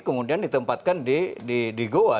kemudian ditempatkan di goa